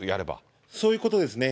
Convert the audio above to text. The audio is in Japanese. そういうことですね。